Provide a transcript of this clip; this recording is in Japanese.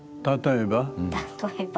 例えば？